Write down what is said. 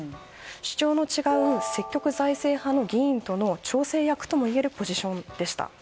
主張の違う積極財政派の議員との調整役ともいえるポジションでした。